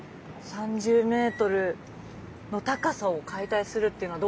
３０ｍの高さを解体するっていうのはどうですか？